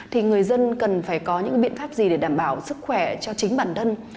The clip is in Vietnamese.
thì người dân cần phải có những biện pháp gì để đảm bảo sức khỏe cho chính bản thân